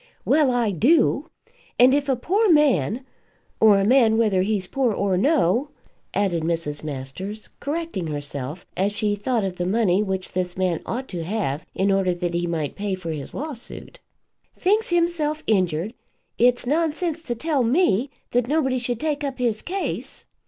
"Well, I do. And if a poor man, or a man whether he's poor or no," added Mrs. Masters, correcting herself, as she thought of the money which this man ought to have in order that he might pay for his lawsuit, "thinks hisself injured, it's nonsense to tell me that nobody should take up his case.